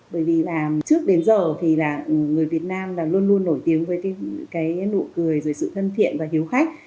bởi vì là trước đến giờ thì là người việt nam là luôn luôn nổi tiếng với cái nụ cười rồi sự thân thiện và hiếu khách